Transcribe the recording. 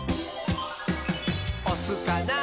「おすかな？